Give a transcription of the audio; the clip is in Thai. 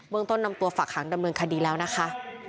เมืองต้นนำตัวฝากหางดำเนินคดีแล้วนะคะ